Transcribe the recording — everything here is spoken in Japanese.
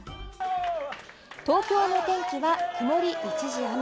東京の天気は曇り一時雨。